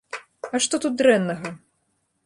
А што тут дрэннага?!